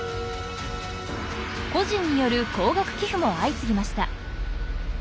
個人による高額寄付も相次ぎました。